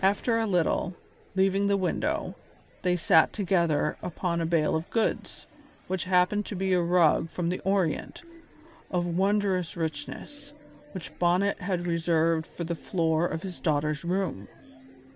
After a little, leaving the window, they sat together upon a bale of goods, which happened to be a rug from the Orient, of wondrous richness, which Bonnet had reserved for the floor of his daughter's room.